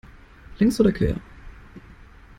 Längs oder quer?